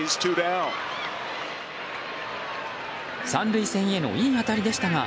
３塁線へのいい当たりでしたが